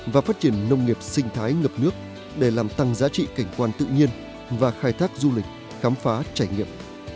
và phát triển nông nghiệp sinh thái ngập nước để làm tăng giá trị cảnh quan tự nhiên và khai thác du lịch khám phá trải nghiệm